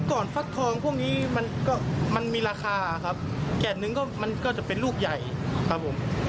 ก่อนฟักทองพวกนี้มันมีราคาครับแก่นหนึ่งมันก็จะเป็นลูกใหญ่ครับผม